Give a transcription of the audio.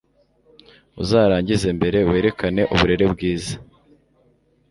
uzarangize mbere, werekane uburere bwiza